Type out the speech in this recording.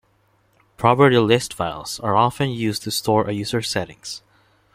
Property list files are often used to store a user's settings.